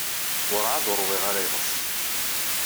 Werɛad ur ṛwiɣ ara iḍes.